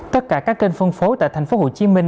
tất cả các kênh phân phố tại thành phố hồ chí minh